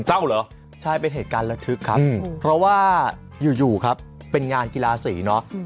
เศร้าเหรอใช่เป็นเหตุการณ์ระทึกครับเพราะว่าอยู่ครับเป็นงานกีฬาสีเนอะ